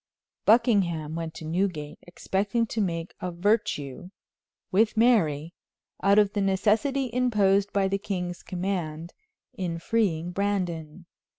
Buckingham went to Newgate, expecting to make a virtue, with Mary, out of the necessity imposed by the king's command, in freeing Brandon.